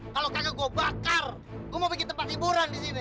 kalau kayaknya gue bakar gue mau bikin tempat hiburan di sini